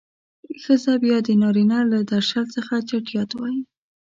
ښځه بيا د نارينه له درشل څخه چټيات وايي.